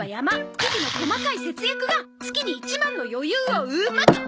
日々の細かい節約が月に１万の余裕を生むと！